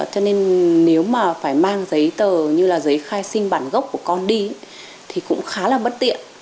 cho nên nếu mà phải mang giấy tờ như là giấy khai sinh bản gốc của con đi thì cũng khá là bất tiện